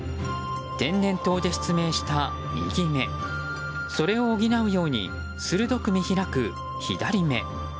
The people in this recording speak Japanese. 天然痘で失明した右目それを補うように鋭く見開く左目。